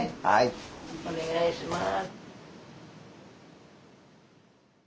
お願いします。